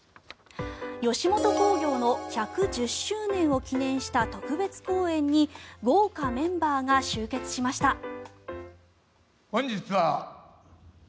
吉本興業の１１０周年を記念した特別公演に豪華メンバーが集結しました。